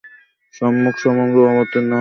সম্মুখ সমরে অবতীর্ণ হওয়াই ছিল তার নেশা ও পেশা।